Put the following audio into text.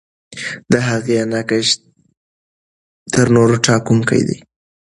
د هغې نقش تر نورو ټاکونکی دی.